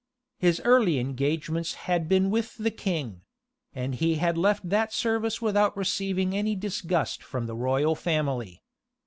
His early engagements had been with the king; and he had left that service without receiving any disgust from the royal family.